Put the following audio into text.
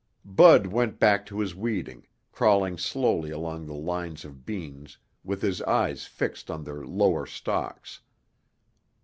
Bud went back to his weeding, crawling slowly along the lines of beans with his eyes fixed on their lower stalks.